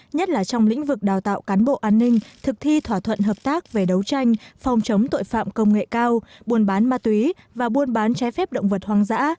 nhất là trong lĩnh vực đào tạo cán bộ an ninh thực thi thỏa thuận hợp tác về đấu tranh phòng chống tội phạm công nghệ cao buôn bán ma túy và buôn bán trái phép động vật hoang dã